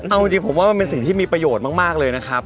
เอาจริงผมว่ามันเป็นสิ่งที่มีประโยชน์มากเลยนะครับ